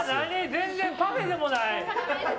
全然パフェでもない。